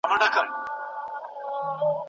ایا بهرني سوداګر تور ممیز اخلي؟